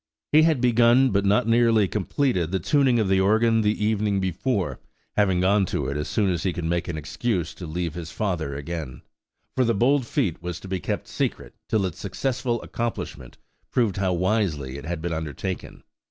He had begun, but not nearly completed, the tuning of the organ the evening before, having gone to it as soon as he could make an excuse to leave his father again; for the bold feat was to be kept secret till its successful accomplishment proved how wisely it had been undertaken.